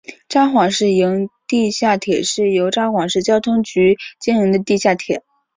札幌市营地下铁是由札幌市交通局经营的地下铁。